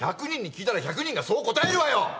１００人に聞いたら１００人がそう答えるわよ！